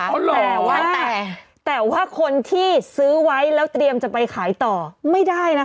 แต่ว่าแต่ว่าคนที่ซื้อไว้แล้วเตรียมจะไปขายต่อไม่ได้นะคะ